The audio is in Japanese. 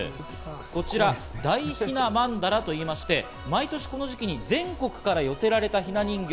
こちら大雛曼荼羅と言いまして、毎年、この時期に全国から寄せられた、ひな人形。